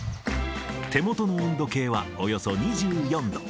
手元の温度計はおよそ２４度。